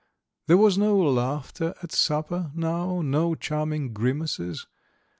There was no laughter at supper now, no charming grimaces.